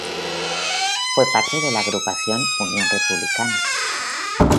Fue parte de la agrupación Unión Republicana.